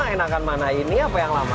enakan mana ini apa yang lama